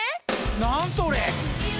何それ！？